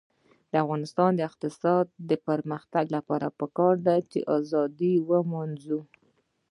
د افغانستان د اقتصادي پرمختګ لپاره پکار ده چې ازادي ولمانځو.